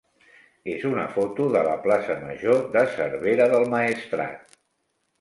és una foto de la plaça major de Cervera del Maestrat.